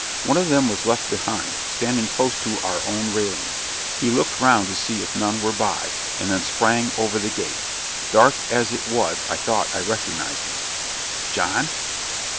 One of them was left behind, standing close to our own railings. He looked round to see if none were by, and then sprang over the gate. Dark as it was I thought I recognized him. "John?"